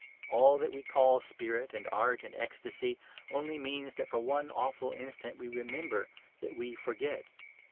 All that we call spirit and art and ecstasy only means that for one awful instant we remember that we forget.